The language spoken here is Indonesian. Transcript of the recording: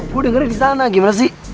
gue dengernya di sana gimana sih